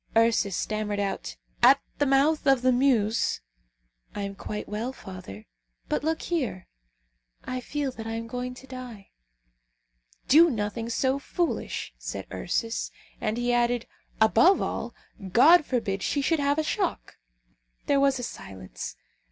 Ursus stammered out, "At the mouth of the Meuse " "I am quite well, father; but look here! I feel that I am going to die!" "Do nothing so foolish," said Ursus. And he added, "Above all, God forbid she should have a shock!" There was a silence.